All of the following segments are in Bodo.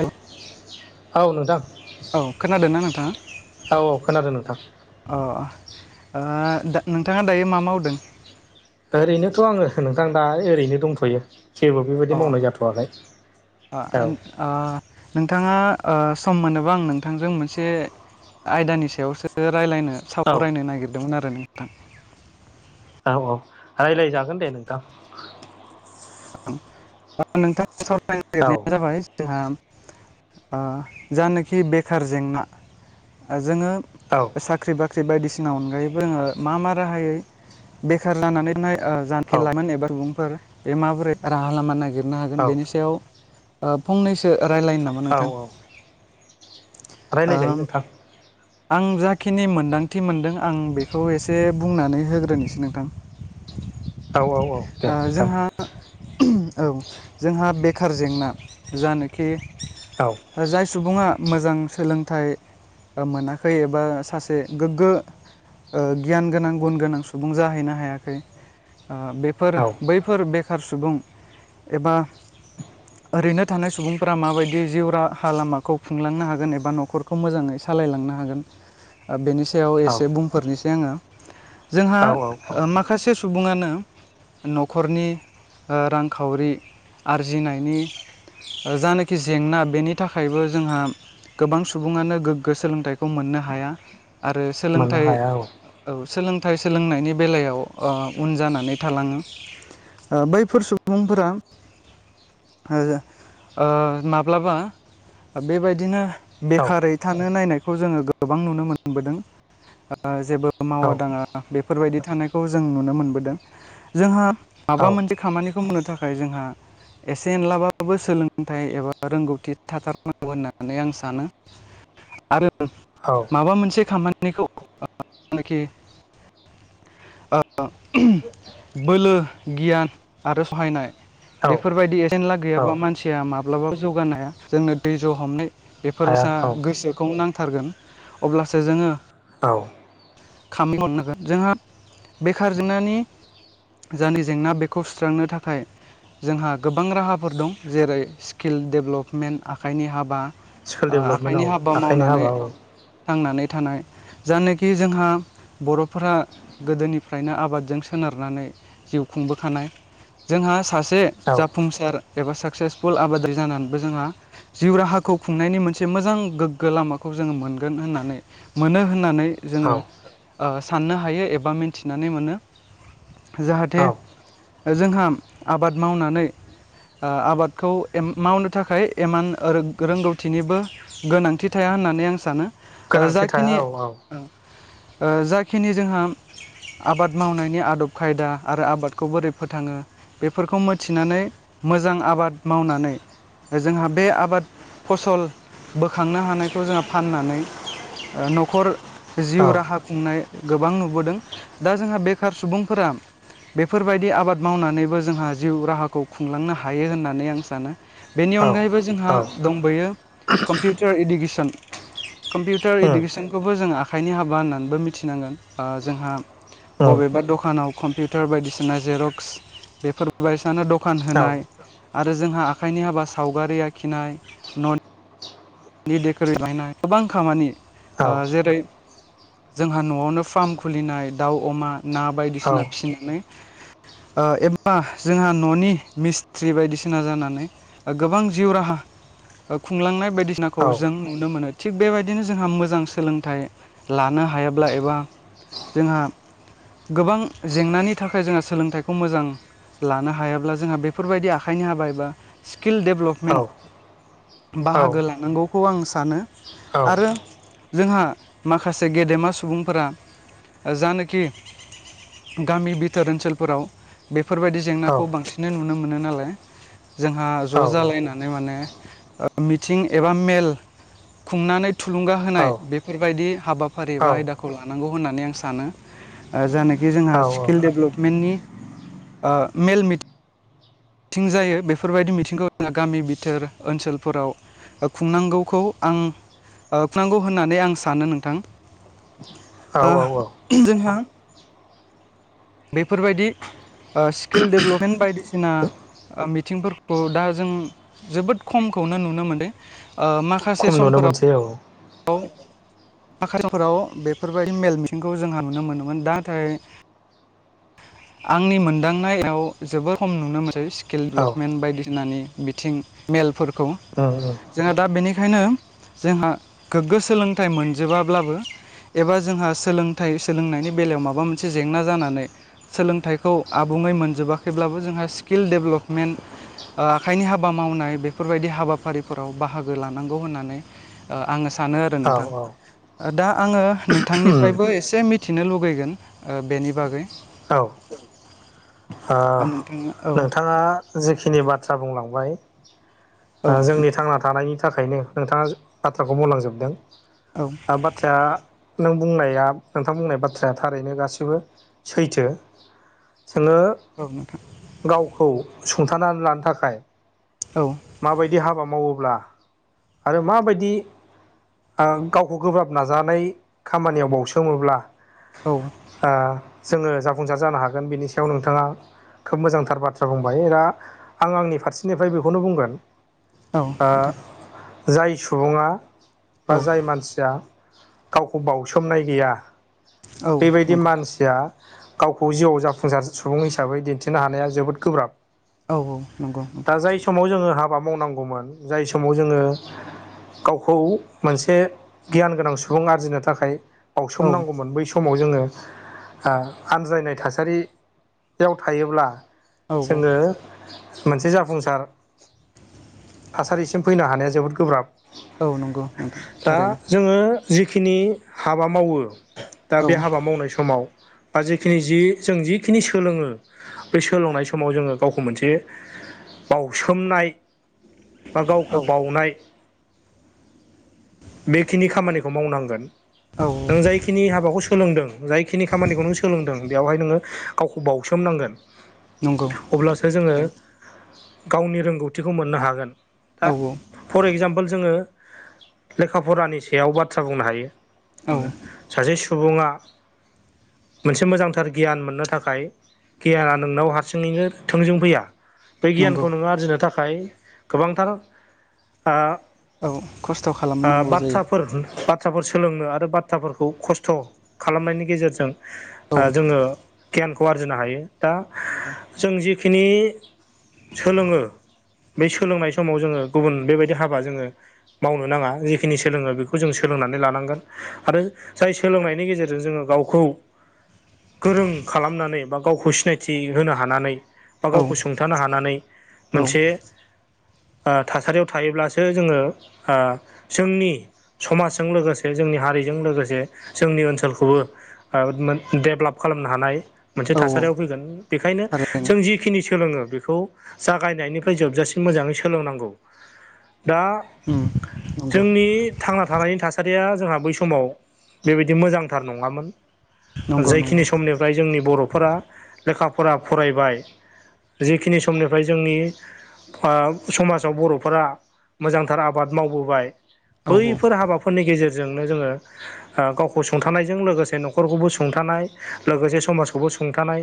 हेलौ औ नोंथां औ खोनादोंना नोंथाङा औ औ खोनादों नोंथां अ नोंथाङा ओ दायो मा मावदों? ओरैनोथ' आङो नोंथां दा ओरैनो दंथ'यो जेबो अ बेबायाददि ओ मावनाय जाथ'वाखै औ ओ नोंथाङा ओ सम मोनोबा आं नोंथांजों मोनसे आयदानि सायावसो राय्लायनो औ सावरायनो नागिरदोंमोन आरो नोंथां औ औ रायज्लाय जागोन दे नोंथां नोंथां ओ सावरायनो औ नागिरनाया जाबाय जोंहा ओ जानाखि बेखार जेंना जोङो औ साख्रि बाख्रि बायदिसिना अनगायैबो जोङो मा मा राहायै बेखार जानानैनाय जानखि औ लाइमोन एबा सुबुंफोर बे माबोरै राहा लामा नागिरनो हागोन औ बेनि सायाव फंनैसो रायज्लायनो नांगौ औ औ रायज्लायजायो आं नोंथां आं जाखिनि मोनदांथि मोनदों आं बेखौ एसे बुंनानै होग्रोनोसै नोंथां औ औ औ दे ओ नोंथां जोंहा औ जोंहा बेखार जेंना जानोखि औ जाय सुबुङा मोजां सोलोंथाइ मोनाखै एबा सासे गोग्गो ओ गियान गोनां गुन गोनां सुबुं जाहैनो हायाखै ओ बेफोर औ बैफोर बेखार सुबुं एबा ओरैनो थानाय सुबुंफोरा माबायदि जिउ राहा लामाखौ खुंलांनो हागोन एबा न'खरखौ मोजाङै सालायलांनो हागोन बेनि सायाव औ एसे बुंफोरनिसै आङो जोंहा औ औ औ माखासे सुबुङानो न'खरनि ओ रांखावरि आरजिनायनि जानाखि जेंना बेनि थाखायबो जोंहा गोबां सुबुङानो गोग्गो सोलोंथाइखौ मोननो हाया आरो मोननो सोलोंथाइ हाया औ औ सोलोंथाइ सोलोंनायनि बेलायाव ओ उन जानानै थालाङो ओ बैफोर सुबुंफोरा ओ माब्लाबा बेबायदिनो औ बेखारै थानो नायनायखौ जोङो गोबां नुनो मोनबोदों ओ जेबो औ मावा दाङा बेफोरबायदि थानायखौ जों नुनो मोनबोदों जोंहा औ माबा मोनसे खामानिखौ मावनो थाखाय जोंहा एसे एनलाबाबो सोलोंथाइ एबा रोंगौथि थाथारनांगौ होननानै आं सानो आरो औ माबा मोनसे खामानिखौ जानखि बोलो गियान आरो सहायनाय औ बेफोरबायदि एजेनला औ गैयाबा मानसिया माब्लाबाबो जौगानो हाया जोंनो दैज' हमनाय हाया बेफोरबोसा औ गोसो खौ नांथारगोन अब्लासो जोङो औ खाम हरनांगोन जोंहा बेखारजेंनानि जानि जेंना बेखौ सुस्रांनो थाखाय जोंहा गोबां राहाफोर दं जेरै स्किल डेभलपमेन्ट आखाइनि हाबा स्किल डेभेलपमेन्ट औ आखाइनि हाबा आखाइनि मावनानै हाबा औ थांनानै थानाय जायानोखि जोंहा बर'फोरा गोदोनिफ्रायनो आबादजों सोनारनानै जिउ खुंबोखानाय जोंहा सासे औ जाफुंसार एबा साक्सेसफुल आबादारि जानानैबो जोंहा जिउ राहाखौ खुंनायनि मोनसे मोजां गोग्गो लामाखौ जोङो मोनगोन होननानै मोनो होननानै औ जोङो ओ साननो हायो एबा मिथिनानै मोनो। जाहाथे औ जोंहा आबाद मावनानै ओ आबादखौ एम मावनो थाखाय इमान ओ रोंगौथिनिबो गोनांथि थाया होननानै आं सानो गोनांथि थाया जाखिनि औ औ जाखिनि जोंहा आबाद मावनायनि आदब खायदा आरो आबादखौ बोरै फोथाङो बेफोरखौ मिथिनानै मोजां आबाद मावनानै जोंहा बे आबाद फसल बोखांनो हानायखौ जोंहा फाननानै न'खर जिउ औ राहा खुंनाय गोबां नुबोदों दा जोंहा बेखार सुबुंफोरा बेफोरबायदि आबाद मावनानैबो जोंहा जिउ राहाखौ खुंलांनो हायो होननानै आं सानो। बेनि औ अनगायैबो औ जोंहा दंबयो कम्पिउटार इडुकेसन कम्पिउटार उम इडुकेसनखौबो जोंङो आखाइनि हाबा होननानैबो मिथिनांगोन जोंहा उम बबेबा दखानाव कम्पिउटार बायदिसिना जेर'क्स बेफोर बायसानो दखान औ होनाय आरो जोंहा आखाइनि हाबा सावगारि आखिनाय नि देखरि बाहायनाय गोबां खामानि औ जेरै जोंहा न'आवनो फार्म खुलिनाय दाउ अमा ना औ बायदिसिना फिसिनानै आं एबा जोंहा न'नि मिस्ट्रि बायदिसिना जानानै गोबां जिउ राहा खुंलांनाय बायदिसिना औ खौ जों नुनो मोनो थिग बेबायदिनो जोंहा मोजां सोलोंथाइ लानो हायाब्ला एबा जोंहा गोबां जेंनानि थाखाय जोंहा सोलोंथाइखौ मोजां लानो हायाब्ला जोंहा बेफोरबायदि आखाइनि हाबा एबा स्किल औ डेभलपमेन्ट बाहागो लानांगौ खौ आं सानो आरो जोंहा माखासे गेदेमा सुबुंफोरा जानोखि गामि बिथोर ओनसोलफोराव बेफोरबायदि जेंनाखौ बांसिनै नुनो मोनो नालाय जोंहा ज' औ जालायनानै माने मिथिं एबा मेल खुंनानै थुलुंगा होनाय बे बेफोरबायदि हाबाफारि एा आयदाखौ लानांगौ होननानै आं सानो जायनाखि जोंहा औ स्किल डेभलपमेन्टनि मेल मि मिथिं जायो बेफोरबायदि मिथिंखौ जोंहा गामि बिथोर ओनसोलफोराव खुंनांगौखौ आं खुंनांगौ होननानै आं सानो नोंथां ओ औ औ जोंहा बेफोरबायदि स्किल डेभलपमेन्ट बायदिसिना मिथिंफोरखौ दा जों जोबोद खमखौनो नुनो मोन्दों माखासे खम नुनो समफोराव मोनसै औ [unintelligible] माखासेफोराव बेफोरबायदि मेल मिथिंखौ जोंहा नुनो मोनोमोन दा नाथाय [inaudible] आंनि मोनदांनायाव जोबोर खम नुनो मोनसै स्किल औ डेभलपमेन्ट बायदिसिनानि बिथिं मेलफोरखौ उम जोंहा दा बेनिखायनो जोंहा गोग्गो सोलोंथाइ मोनजोबाब्लाबो एबा जोंहा सोलोंथाइ सोलोंनायनि बेलायाव माबा मोनसे जेंना जानानै सोलोंथाइखौ आबुङै मोनजोबाखैब्लाबो जोंहा स्किल डेभ्लपमेन्ट ओ आखाइनि हाबा मावनाय बेफोरबायदि हाबाफारिफोराव बाहागो लानांगौ होननानै ओ आङो सानो आरो औ नोंथां उम औ दा आङो नोंथांनिफ्रायबो एसे मिथिनो लुगैगोन ओ बेनि बागै। औ ओ नोंथाङा औ नोंथाङा जिखिनि बाथ्रा बुंलांबाय औ ओ जोंनि थांना थानायनि थाखायनो नोंथाङा बाथ्राखौ बुंलांजोबदों औ बाथ्राया नों बुंनाया नोंथां बुंनाय बाथ्राया थारैनो गासिबो सैथो जोङो औ नोंथां गावखौ सुंथानानै लानो थाखाय औ। माबायदि हाबा मावोब्ला आरो माबायदि ओ गावखौ गोब्राब नाजानाय खामानियाव बावसोमोब्ला औ। आ जोङो जाफुंसार जानो हागोन बिनि सायाव नोंथाङा खोब मोजांथार बाथ्रा बुंबाय रा आं आंनि फारसेनिफ्राय बेखौनो बुंगोन। आ औ जाय सुबुङा बा औ जाय मानसिया गावखौ बाउसोमनाय गैया औ बेबायदि नंगौ मानसिया गावखौ जिउआव जाफुंजार सुबुं हिसाबै दिन्थिनो हानाया जोबोद गोब्राब। औ औ नंगौ दा नोंथां। जाय समाव जोङो हाबा मावनांगौमोन जाय समाव जोङो गावखौ मोनसे गियान गोनां सुबुं आरजिनो थाखाय औ बावसोम नांगौमोन बै समाव जोङो आ आनज्रायनाय थासारियाव थायोब्ला औ जोङो मोनसे जाफुंसार थासारिसिम फैनो हानाया जोबोद गोब्राब। औ नंगौ नोंथां दा थारैनो। जोङो जिखिनि हाबा मावो दा औ बे हाबा मावनाय समाव बा जिखिनि जि जों जिखिनि सोलोङो बे सोलोंनाय समाव जोङो गावखौ मोनसे बावसोमनाय बा औ गावखौ बावउनाय बेखिनि खामानिखौ मावनांगोन। औ नों जाय खिनि हाबाखौ सोलोंदों जायखिनि खामानिखौ नों सोलोंदों बेवहाय नोङो गावखौ बावसोमनांगोन। [inaudible] नंगौ नोंथां अब्लासो जोङो थारैनो गावनि रोंगौथिखौ मोननो हागोन। औ फर एगजामपोल जोङो लेखा फरानि सायाव बाथ्रा बुंनो औ हायो। सासे सुबुङा मोनसे मोजांथार गियान मोननो थाखाय गियान नोंनाव हारसिङैनो थोंजों फैया। बै नंगौ गियानखौ नोङो आरजिनो थाखाय गोबांथार आ औ खस्थ' आ खालामनांगौ जायो बाथ्राफोर बा थ्राफोर सोलोंनो आरो बाथ्राफोरखौ खस्थ' खालामनायनि गेजेरजों औ ओ जोङो गियानखौ आरजिनो हायो। दा [unintelligible] जों जिखिनि सोलोङो बै सोलोंनाय समाव जोङो गुबुन बेबायदि हाबा जोङो मावनो नाङा जेखिनि सोलोङो बेखौ जों सोलोंनानै लानांगोन आरो जाय सोलोंनायनि गेजेरजों जोङो गावखौ गोरों खालामनानै बा गावखौ सिनायथि होनो हानानै बा औ गावखौ सुंथानो हानानै औ मोनसे ओ थासारियाव थायोब्लासो जोङो जोंनि समाजजों लोगोसे जोंनि हारिजों लोगोसे जोंनि ओनसोलखौबो आ मोन डेभलप खालामनो हानाय मोनसे औ थासारियाव फैगोन। बेखायनो थारैनो जों जिखिनि सोलोङो बेखौ जागायनायनि फै जोबजासिम मोजाङै सोलोंनांगौ। दा उम नंगौ जोंनि थांना थानायनि थासारिया जोंहा बै समाव बेबायदि मोजांथार नङामोन। नंगौ नंगौ जैखिनि समनि फ्राय जोंनि बर'फोरा लेखा फ'रा फरायबाय जेखिनि समनिफ्राय जोंनि ओ समाजाव बर'फोरा मोजांथार आबाद मावबोबाय औ बैफोर हाबाफोरनि गेजेरजोंनो जोङो ओ गावखौ सुंथानायजों लोगोसे न'खरखौबो सुंथानाय लोगोसे समाजखौबो सुंथानाय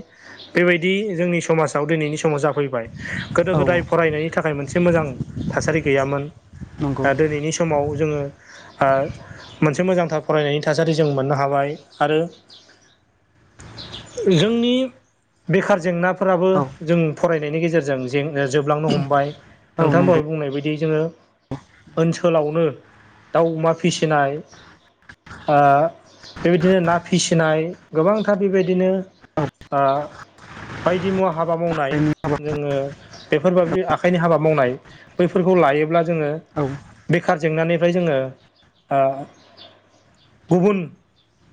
बेबायदि जोंनि समाजाव दिनैनि समाव जाफैबाय गोदो औ गोदाय फरायनायनि थाखाय मोनसे मोजां थासारि गैयामोन नंगौ दा दिनैनि स माव जोङो ओ मोनसे मोजांथार फरायनायनि थासारि जों मोननो हाबाय आरो जोंनि बेखार जेंनाफोराबो औ जों फरायनायनि गेजेरजों जोबलांनो हमबाय औ नोंथां दहाय नंगौ बुंनाय बायदि जोङो ओनसोलावनो दाउ अमा फिसिनाय ओ बेबायदिनो ना फिसिनाय गोबांथार बेबायदिनो औ ओ बायदि मुवा हाबा मावनाय जोङो बेफोरबादि आखाइनि हाबा मावनाय बैफोरखौ लायोब्ला जोङो औ बेखार जेंनानिफ्राय जोङो ओ गुबुन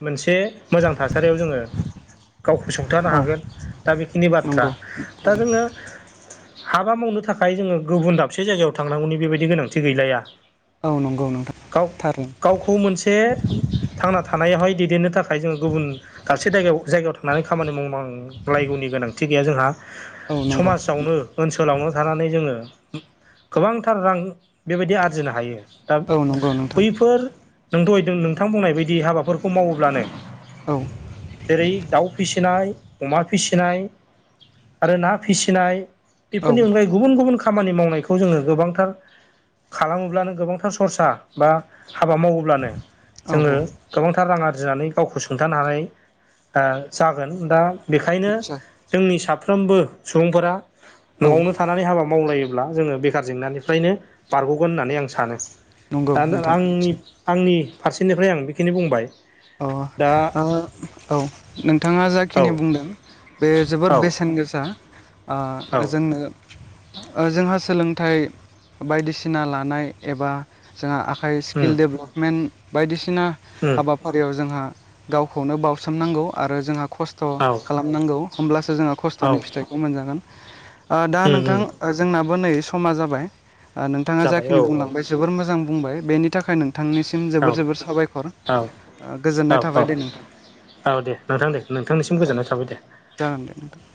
मोनसे मोजां थासारियाव जोङो गावखौ सुंथानो औ हागोन दा बेखिनि बाथ्रा नंगौ दा जोङो हाबा मावनो थाखाय जोङो गुबुन दाबसे जायगायाव थांनांगौनि बेबायदि गोनांथि गैलाया औ नंगौ नोंथां गाव थारैनो गावखौ मोनसे थांना थानायावहाय दैदेननो थाखाय जोङो गुबुन दाबसे जायगायाव जायगायाव थांनानै खामानि मावनां लायगौनि गोनांथि गैया जोंहा औ नंगौ समाजावनो ओनसोलावनो थानानै जोङो गोबांथार रां बेबायदि आरजिनो हायो। दा औ नंगौ नोंथां बैफोर नों दहाय नोंथां बुंनाय बायदि हाबाफोरखौ मावोब्लानो औ जेरै दाउ फिसिनाय अमा फिसिनाय आरो ना फिसिनाय औ बेफोरनि अनगायै गुबुन गुबुन खामानि मावनायखौ जोङो गोबांथार खालामोब्लानो गोबांथार सरसा बा हाबा मावोब्लानो औ जोङो गोबांथार रां आरजिनानै गावखौ सुंथानो हानाय आ जागोन दा बेखायनो निस्सय जोंनि साफ्रोमबो सुबुंफोरा औ न'आवनो थानानै हाबा मावलायोब्ला जोङो बेखार जेंनानिफ्रायनो बारग'गोन होननानै आं सानो। नंगौ द नोंथां आंनि निस्सय आंनि फारसेनिफ्राय आं बेखिनि बुंबाय। अ दा ओ औ नोंथाङा औ जाखिनि बुंदों बे जोबोर औ बेसेन गोसा ओ औ जोंनो ओ जोंहा सोलोंथाइ बायदिसिना लानाय एबा जोंहा आखाइ स्किल उम जोंडेभेलपमेन्ट बायदिसिना उम हाबा याव जोंहा गावखौनो बावसोमनांगौ आरो जोंहा खस्थ' औ थ' खालामनांगौ होमब्लासो जोङो औ खस्थ'नि फिथाइखौ मोनजागोन ओ दा उम नोंथां उम ओ जोंनाबो नै समा जाबाय ओ नोंथाङा जाबाय औ जाखिनि बुंलांबाय जोबोर मोजां बुंबाय बेनि थाखाय नों थांनिसिम औ जोबोर जोबोर साबायखर। औ ओ गोजोननाय औ थाबाय औ दे नोंथां औ दे नोंथां दे नोंथांनिसिम औ गोजोननाय थाबाय दे। जागोन दे नोंथां।